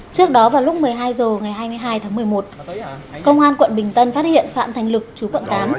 trước đó vào lúc một mươi hai h ngày hai mươi hai tháng một mươi một công an quận bình tân phát hiện phạm thành lực chú quận tám